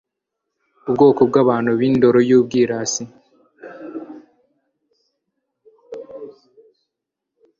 ubwoko bw'abantu b'indoro y'ubwirasi